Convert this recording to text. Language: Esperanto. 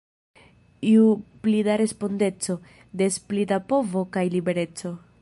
Ju pli da respondeco, des pli da povo kaj libereco!